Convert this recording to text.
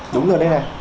đúng rồi đây này